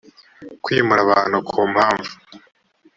kwimura abantu ku mpamvu